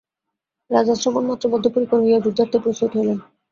রাজা শ্রবণমাত্র বদ্ধপরিকর হইয়া যুদ্ধার্থে প্রস্তুত হইলেন।